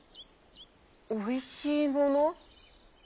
「おいしいもの？」。